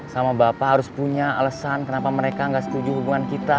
sama bapak harus punya alasan kenapa mereka nggak setuju hubungan kita